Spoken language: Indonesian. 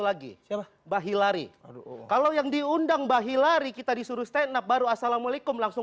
lagi bahi lari aduh kalau yang diundang bahi lari kita disuruh stand up baru assalamualaikum langsung